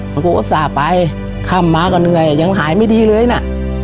แล้วก็แอศกินไปขับมาก็เหนื่อยยังหายไม่ดีเลยนะ